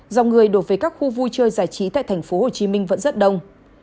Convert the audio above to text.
dòng người đột với các khu vui chơi giải trí tại thành phố hồ chí minh vẫn rất đông